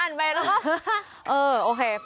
อ่านไปแล้วก็เออโอเค